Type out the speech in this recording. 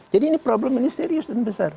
jadi ini problem serius dan besar